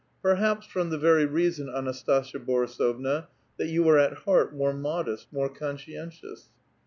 '* Perhaps, from the very reason, Anastasia Boiisovna, that you were at heart more modest, more conscientious."